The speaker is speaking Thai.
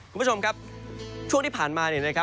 คุณผู้ชมครับช่วงที่ผ่านมา